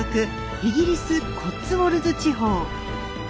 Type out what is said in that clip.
イギリス・コッツウォルズ地方。